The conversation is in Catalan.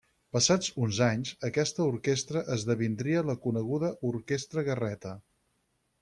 Passats uns anys, aquesta orquestra esdevindria la coneguda Orquestra Garreta.